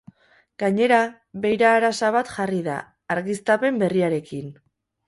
Gainera, beira-arasa bat jarri da, argiztapen berriarekin.